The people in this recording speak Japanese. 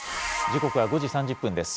時刻は５時３０分です。